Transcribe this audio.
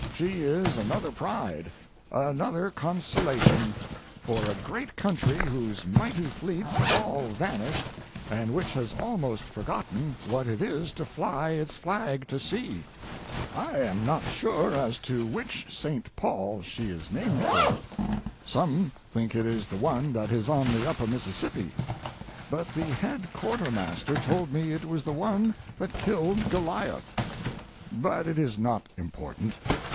She is another pride, another consolation, for a great country whose mighty fleets have all vanished, and which has almost forgotten what it is to fly its flag to sea. I am not sure as to which St. Paul she is named for. Some think it is the one that is on the upper Mississippi, but the head quartermaster told me it was the one that killed Goliath. But it is not important.